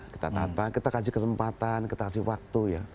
kita tata kita kasih kesempatan kita kasih waktu ya